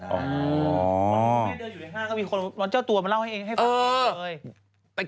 เมื่อเดินอยู่ในห้างก็มีคนร้อนเจ้าตัวมาเล่าให้ฟัง